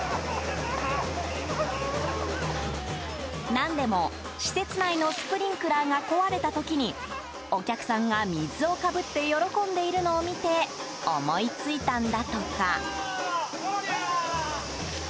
何でも、施設内のスプリンクラーが壊れた時にお客さんが水をかぶって喜んでいるのを見て思いついたんだとか。